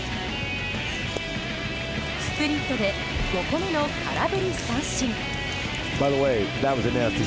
スプリットで５個目の空振り三振。